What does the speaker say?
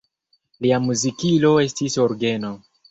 Lia muzikilo estis orgeno.